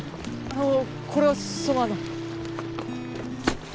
あのこれはそのあの。